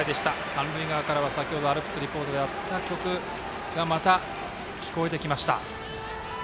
三塁側からはアルプスリポートであった曲がまた聴こえてきました。